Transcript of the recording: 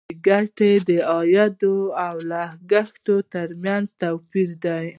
ګټه د عاید او لګښت تر منځ توپیر دی.